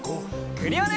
クリオネ！